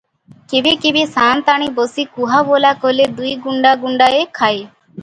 କେବେ କେବେ ସାଆନ୍ତାଣୀ ବସି କୁହାବୋଲା କଲେ ଦୁଇଗୁଣ୍ତା ଗୁଣ୍ତାଏ ଖାଏ ।